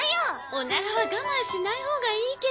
オナラは我慢しないほうがいいけど。